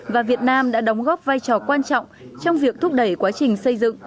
và việt nam đã đóng góp vai trò quan trọng trong việc thúc đẩy quá trình xây dựng